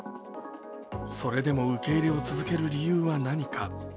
それでも受け入れを続ける理由は何か。